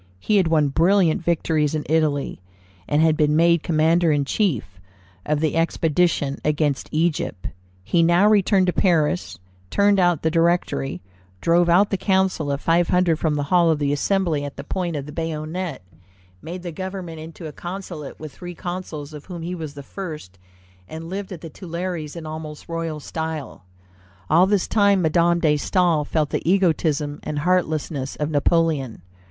He had won brilliant victories in Italy, and had been made commander in chief of the expedition against Egypt He now returned to Paris, turned out the Directory, drove out the Council of Five Hundred from the hall of the Assembly at the point of the bayonet, made the government into a consulate with three consuls, of whom he was the first, and lived at the Tuileries in almost royal style. All this time Madame de Staël felt the egotism and heartlessness of Napoleon.